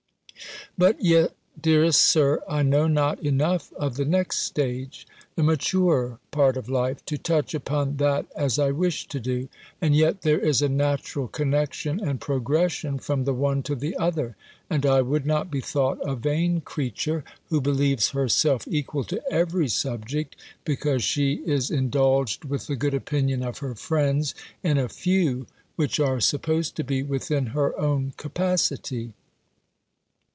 But yet, dearest Sir, I know not enough of the next stage, the maturer part of life, to touch upon that as I wish to do: and yet there is a natural connection and progression from the one to the other: and I would not be thought a vain creature, who believes herself equal to every subject, because she is indulged with the good opinion of her friends, in a few, which are supposed to be within her own capacity.